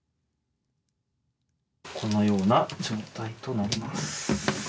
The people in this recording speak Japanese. このような状態となります。